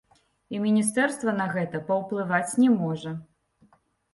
І міністэрства на гэта паўплываць не можа.